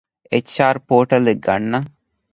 އެޗް.އާރު ޕޯޓަލްއެއް ގަންނަން